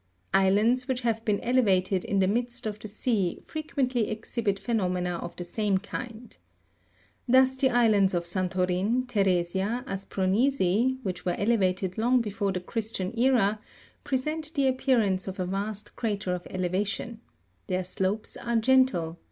Islands which have been elevated in the midst of the sea frequently exhibit phenomena of the same kind. Thus the islands of Santorin, The resia, Aspronisi, (Jig. 193), which were elevated long before the Christian era, present the appearance of a vast crater of elevation : their slopes are gentle (Jig.